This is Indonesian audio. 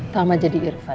tamah jadi irfan